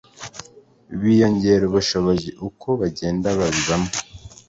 biyongera ubushobozi uko bagendaga babibamo